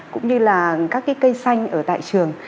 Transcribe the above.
cũng như là các cây xanh ở tại trường